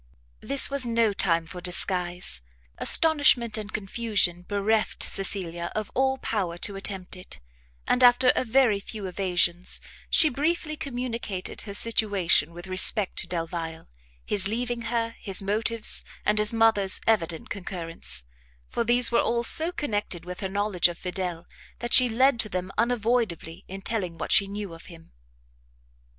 This was no time for disguise; astonishment and confusion bereft Cecilia of all power to attempt it; and, after a very few evasions, she briefly communicated her situation with respect to Delvile, his leaving her, his motives, and his mother's evident concurrence; for these were all so connected with her knowledge of Fidel, that she led to them unavoidably in telling what she knew of him.